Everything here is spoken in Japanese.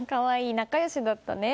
仲良しだったね。